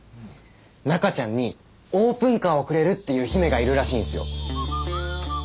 中ちゃんにオープンカーをくれるっていう姫がいるらしいんすよ。